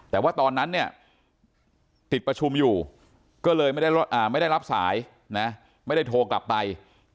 แต่ว่าตอนนั้นเนี่ยติดประชุมอยู่ก็เลยไม่ได้รับสายนะไม่ได้โทรกลับไป